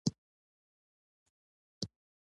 خو هغه هيښه پيښه ولاړه وه.